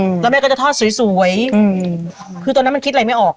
อืมแล้วแม่ก็จะทอดสวยสวยอืมคือตอนนั้นมันคิดอะไรไม่ออก